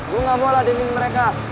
gue gak mau alah demi mereka